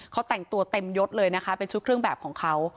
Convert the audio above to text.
เขาแต่งตัวเต็มยดเลยนะคะเป็นชุดเครื่องแบบของเขา